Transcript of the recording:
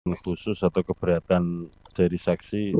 yang khusus atau keberatan dari saksi